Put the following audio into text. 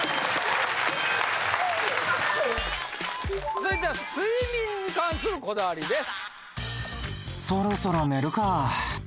続いては睡眠に関するこだわりです。